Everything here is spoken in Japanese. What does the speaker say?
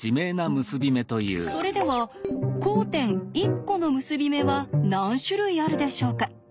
それでは交点１コの結び目は何種類あるでしょうか？